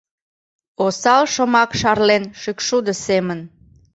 Осал шомак шарлен шӱкшудо семын.